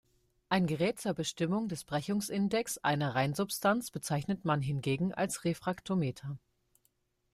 Ein Gerät zur Bestimmung des Brechungsindex einer Reinsubstanz bezeichnet man hingegen als Refraktometer.